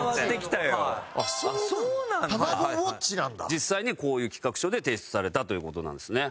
実際にこういう企画書で提出されたという事なんですね。